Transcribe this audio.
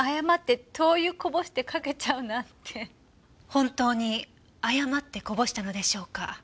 本当に誤ってこぼしたのでしょうか？